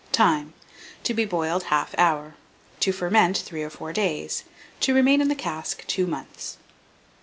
Time. To be boiled 1/2 hour; to ferment 3 or 4 days; to remain in the cask 2 months.